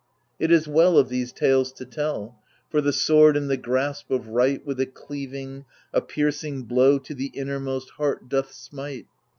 It is well of these tales to tell ; for the sword in the grasp of Right With a cleaving, a piercing blow to the innermost heart doth smite.